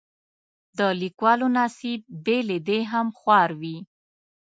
د لیکوالو نصیب بې له دې هم خوار وي.